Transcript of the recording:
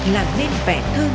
làm nên vẻ thơm